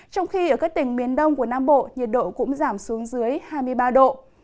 trong khi ở các tỉnh miền đông của nam bộ nhiệt độ cũng giảm xuống dưới hai mươi ba độ